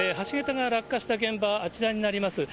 橋桁が落下した現場はあちらになります。